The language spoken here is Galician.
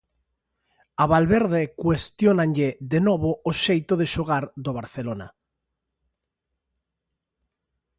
A Valverde cuestiónanlle de novo o xeito de xogar do Barcelona.